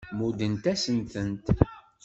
Muddent-asen-tent.